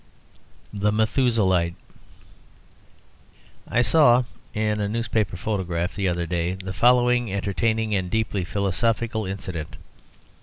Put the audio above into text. THE METHUSELAHITE I Saw in a newspaper paragraph the other day the following entertaining and deeply philosophical incident.